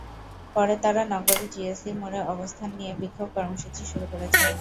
পরে তাঁরা নগরের জিইসি মোড়ে অবস্থান নিয়ে বিক্ষোভ কর্মসূচি শুরু করেছেন।